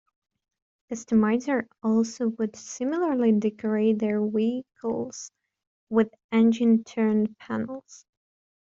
Customizers also would similarly decorate their vehicles with engine-turned panels.